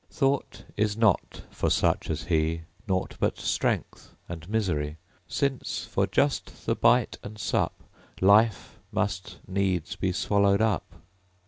Thought is not for such as he; Naught but strength, and misery; Since, for just the bite and sup, Life must needs be swallowed up.